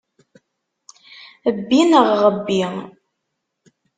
Bbi, neɣ ɣebbi.